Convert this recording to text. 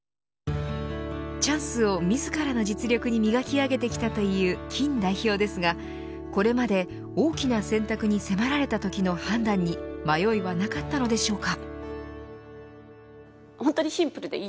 チャンスを自らの実力に磨き上げてきたという金代表ですがこれまで大きな選択に迫られたときの判断に迷いはなかったのでしょうか。